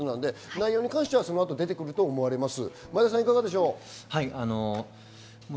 内容に関しては出てくると思います。